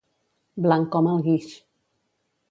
Blanc com el guix.